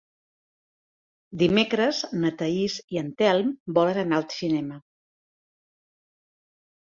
Dimecres na Thaís i en Telm volen anar al cinema.